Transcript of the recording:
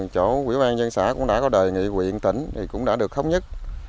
tổ quỹ ban dân xã cũng đã có đề nghị quyện tỉnh thì cũng đã được thống nhất